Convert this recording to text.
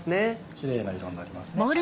キレイな色になりますね。